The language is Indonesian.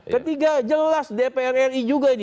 ketiga jelas dpr ri juga ini